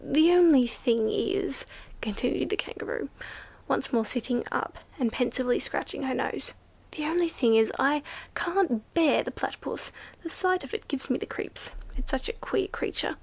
"The only thing is," continued the Kangaroo, once more sitting up and pensively scratching her nose. "The only thing is, I can't bear the Platypus; the sight of it gives me the creeps: it's such a queer creature!"